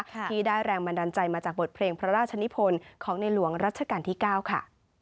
ที่ได้แรงบันดาลใจมาจากบทเพลงพระราชนิพลของในหลวงรัชกาลที่๙ค่ะ